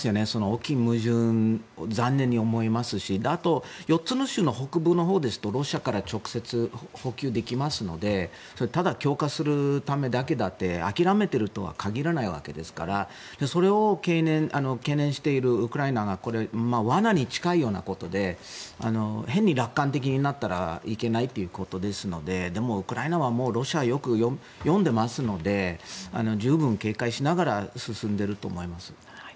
大きい矛盾、残念に思いますしあと４つの州の北部のほうですとロシアから直接補給できますのでただ強化するためだけだって諦めているとは限らないわけですからそれを懸念しているウクライナが罠に近いようなことで変に楽観的になったらいけないということですのででも、ウクライナはロシアをよく読んでますので十分に警戒しながら進んでいると思います。